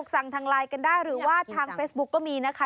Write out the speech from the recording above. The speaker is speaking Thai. ทางไลน์กันได้หรือว่าทางเฟซบุ๊กก็มีนะคะ